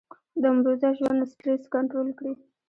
د امروزه ژوند سټرېس کنټرول کړي -